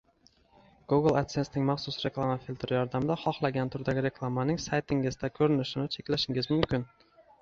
Google adsensening maxsus reklama filtri yordamida xohlagan turdagi reklamaning saytingizda ko’rinishini cheklashingiz mumkin